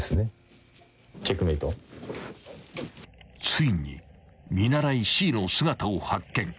［ついに見習いＣの姿を発見］